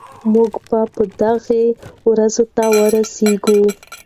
موږ به دغې ورځې ته ورسېږو.